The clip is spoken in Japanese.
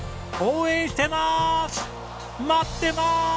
応援してます！